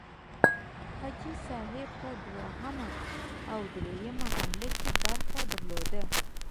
حاجي صاحب په دوهمه او دریمه حمله کې برخه درلوده.